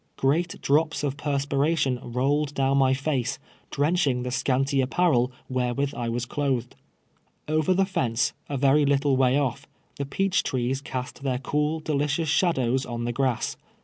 Great drops of perspiration rolled down my face, drenching the scanty apparel wherewith I was clothed. Over the fence, a very little way otf, the peach trees cast their cool, delicious shadows on the grass.